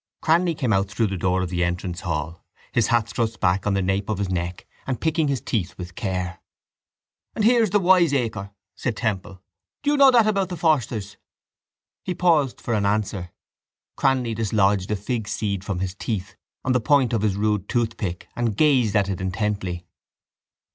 Cranly came out through the door of the entrance hall, his hat thrust back on the nape of his neck and picking his teeth with care. —And here's the wiseacre, said Temple. Do you know that about the Forsters? He paused for an answer. Cranly dislodged a figseed from his teeth on the point of his rude toothpick and gazed at it intently.